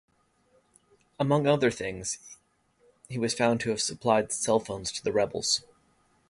Among other things, he was found to have supplied cellphones to the rebels.